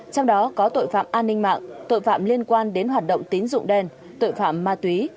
trong đó có tội phạm an ninh mạng tội phạm liên quan đến hoạt động tín dụng đen tội phạm ma túy